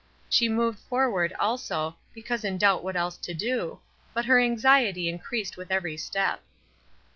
She moved forward, also, because in doubt what else to do, but her anxiety in creased with every step.